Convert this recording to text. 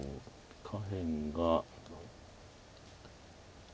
下辺が。